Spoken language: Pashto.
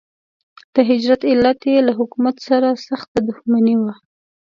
د هجرت علت یې له حکومت سره سخته دښمني وه.